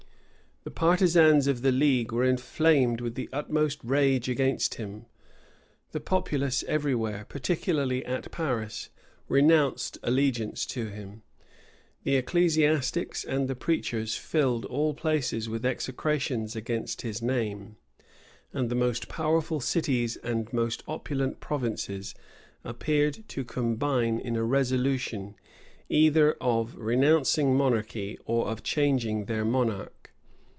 The partisans of the league were inflamed with the utmost rage against him: the populace every where, particularly at Paris, renounced allegiance to him: the ecclesiastics and the preachers filled all places with execrations against his name: and the most powerful cities and most opulent provinces appeared to combine in a resolution, either of renouncing monarchy, or of changing their monarch.